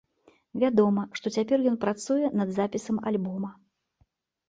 Вядома, што цяпер ён працуе над запісам альбома.